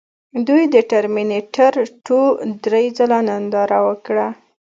دوی د ټرمینیټر ټو درې ځله ننداره وکړه